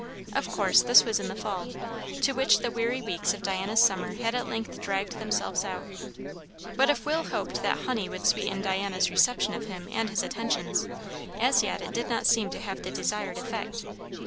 Of course this was in the fall, to which the weary weeks of Diana's summer had at length dragged themselves out. But if Will hoped that honey would sweeten Diana's reception of him and his attentions, as yet it did not seem to have the desired effect.